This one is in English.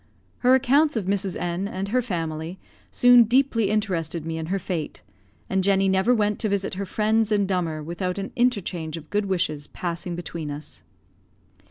Her accounts of Mrs. N , and her family, soon deeply interested me in her fate; and Jenny never went to visit her friends in Dummer without an interchange of good wishes passing between us.